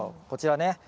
こちらね